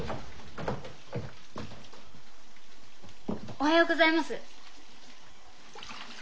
おはようございます。